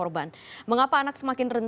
dan ini hanya sebagian